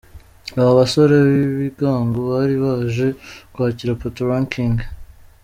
Aba basore b'ibigango bari baje kwakira Patoranking.